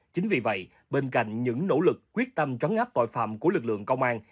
chính vì vậy bên cạnh những nỗ lực quyết tâm trấn áp tội phạm của lực lượng công an